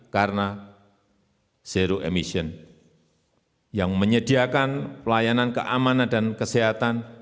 karena zero emission yang menyediakan pelayanan keamanan dan kesehatan